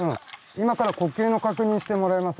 今から呼吸の確認してもらいます。